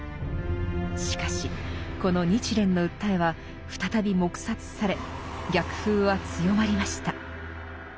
しかしこの日蓮の訴えは再び黙殺され逆風は強まりました。